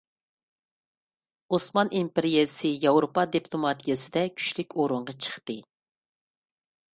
ئوسمان ئىمپېرىيەسى ياۋروپا دىپلوماتىيەسىدە كۈچلۈك ئورۇنغا چىقتى.